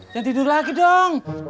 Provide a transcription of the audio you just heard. jangan tidur lagi dong